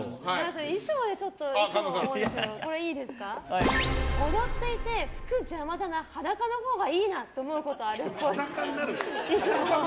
衣装でちょっといつも思うんですけど踊っていて服、邪魔だな裸のほうがいいな！と思うことあるっぽい。